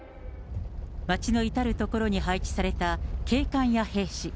街の至る所に配置された警官や兵士。